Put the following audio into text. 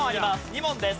２問です。